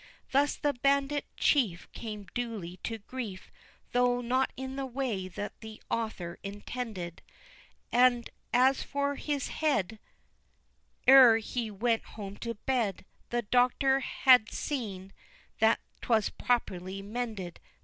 Thus the bandit chief Came duly to grief, Though not in the way that the author intended, And as for his head Ere he went home to bed, The doctor had seen that 'twas properly mended.